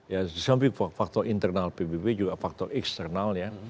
ya disamping faktor internal pbb juga faktor eksternalnya